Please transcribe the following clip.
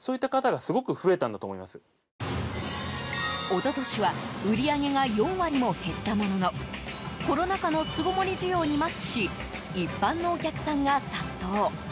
一昨年は売り上げが４割も減ったもののコロナ禍の巣ごもり需要にマッチし一般のお客さんが殺到。